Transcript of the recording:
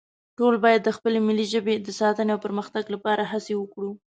ټول باید د خپلې ملي ژبې د ساتنې او پرمختیا لپاره هڅې وکړو